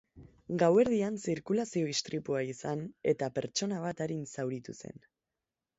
Gauerdian zirkulazio istripua izan, eta pertsona bat arin zauritu zen.